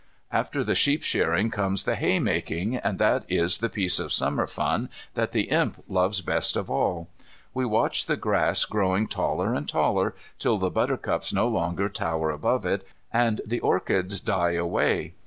After the sheep shearing comes the haymaking, and that is the piece of Summer fun that the Imp loves best of all. We watch the grass growing taller and taller, till the buttercups no longer tower above it, and the orchids die away.